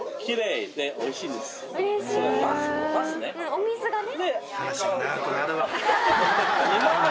お水がね。